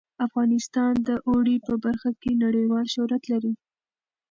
افغانستان د اوړي په برخه کې نړیوال شهرت لري.